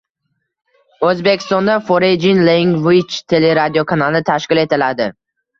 O‘zbekistonda Foreign Languages teleradiokanali tashkil etiladi